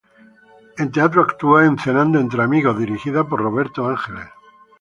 En teatro actuó en "Cenando entre amigos", dirigida por Roberto Ángeles.